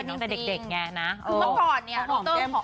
น้องชายหล่อบอกต่อด้วยนะคะ